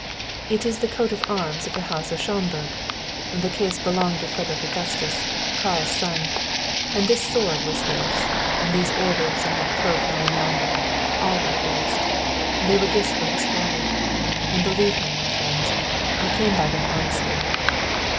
"It is the coat of arms of the house of Schomburg. The case belonged to Frederick Augustus, Karl's son; and this sword was his; and these orders and that cloak lying yonder all were his. They were gifts from his father. And believe me, my friends, I came by them honestly."